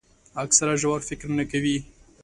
اکثره ژور فکر نه کوي.